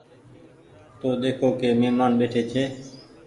تو ۮيکو ڪي مهمآن ٻيٺي ڇي۔